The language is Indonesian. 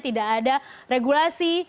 tidak ada regulasi